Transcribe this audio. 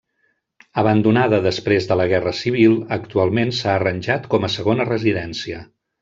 Abandonada després de la Guerra Civil, actualment s'ha arranjat com a segona residència.